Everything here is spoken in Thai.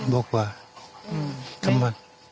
บอกค่ะ